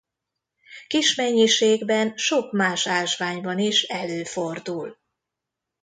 Kis mennyiségben sok más ásványban is előfordul.